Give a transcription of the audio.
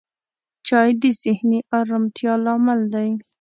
چای د ذهني آرامتیا لامل دی